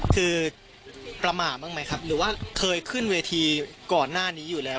คือประมาทบ้างไหมครับหรือว่าเคยขึ้นเวทีก่อนหน้านี้อยู่แล้ว